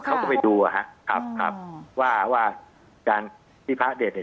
เขาก็ไปดูอ่ะฮะครับครับว่าว่าการที่พระเด็ดเนี่ย